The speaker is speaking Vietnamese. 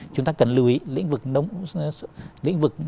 cần lưu ý lĩnh vực